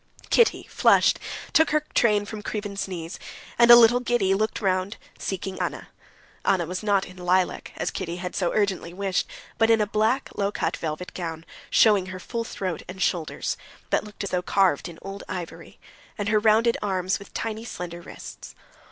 Kitty, flushed, took her train from Krivin's knees, and, a little giddy, looked round, seeking Anna. Anna was not in lilac, as Kitty had so urgently wished, but in a black, low cut, velvet gown, showing her full throat and shoulders, that looked as though carved in old ivory, and her rounded arms, with tiny, slender wrists.